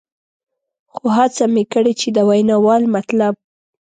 خو هڅه مې کړې چې د ویناوال مطلب.